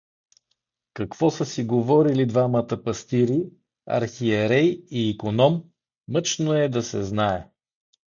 Какво са си говорили двамата пастири, архиерей и иконом, мъчно е да се знае.